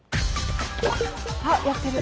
あっやってる。